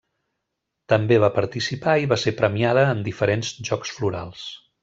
També va participar i va ser premiada en diferents Jocs Florals.